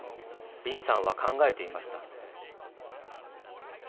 林さんは考えていました。